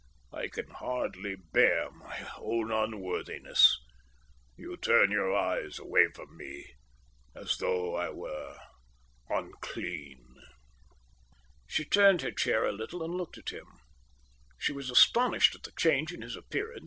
I can hardly bear my own unworthiness. You turn your eyes away from me as though I were unclean." She turned her chair a little and looked at him. She was astonished at the change in his appearance.